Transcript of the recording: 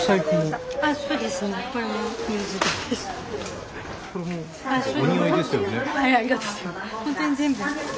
ありがとうございます。